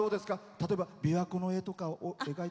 例えば、琵琶湖の絵とかを？